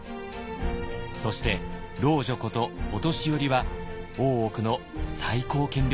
そして「老女」こと「御年寄」は大奥の最高権力者です。